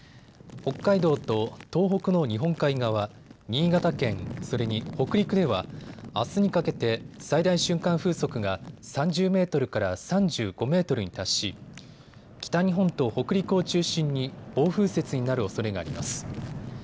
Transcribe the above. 北海道と東北の日本海側、新潟県、それに北陸ではあすにかけて最大瞬間風速が３０メートルから３５メートルに達し北日本と北陸を中心に暴風雪になるおそれがあります。